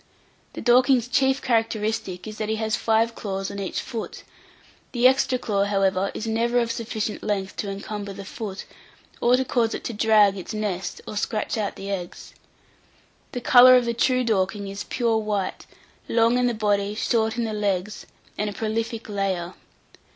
The Dorking's chief characteristic is that he has five claws on each foot; the extra claw, however, is never of sufficient length to encumber the foot, or to cause it to "drag" its nest, or scratch out the eggs. The colour of the true Dorking is pure white; long in the body, short in the legs, and a prolific layer.